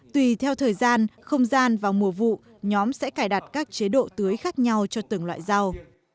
tùy theo thời gian không gian vào mùa vụ nhóm sẽ cài đặt các chế độ tưới khác nhau cho từng loại rau